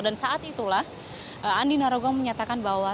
dan saat itulah andi narogong menyatakan bahwa